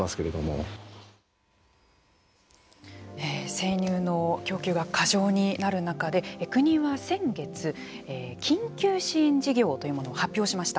生乳の供給が過剰になる中で国は先月緊急支援事業というものを発表しました。